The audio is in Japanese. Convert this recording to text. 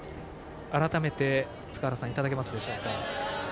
改めて塚原さん、いただけますか。